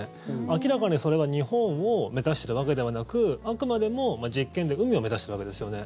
明らかにそれは日本を目指しているわけではなくあくまでも実験で海を目指しているわけですよね。